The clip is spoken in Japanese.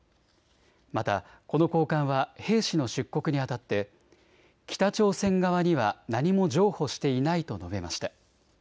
また、この高官は兵士の出国にあたって北朝鮮側には何も譲歩していないと述べました。